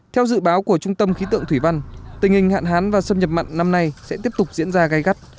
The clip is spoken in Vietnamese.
theo dự báo của trung tâm khí tượng thủy văn tình hình hạn hán và xâm nhập mặn năm nay sẽ tiếp tục diễn ra gai gắt